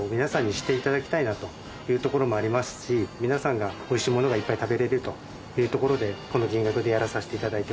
知っていただきたいなというところもありますし皆さんがおいしいものがいっぱい食べられるというところでこの金額でやらさせていただいてます。